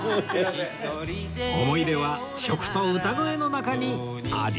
思い出は食と歌声の中にあり